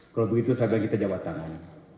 kalau begitu saya bilang kita jawa tangan